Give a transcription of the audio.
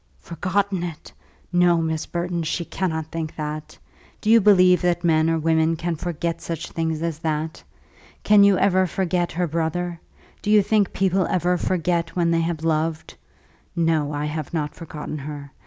"Forgotten it! No, Miss Burton; she cannot think that. Do you believe that men or women can forget such things as that? Can you ever forget her brother? Do you think people ever forget when they have loved? No, I have not forgotten her.